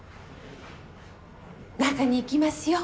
中に行きますよ。